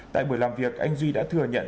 tại buổi làm việc anh duy đã thừa nhận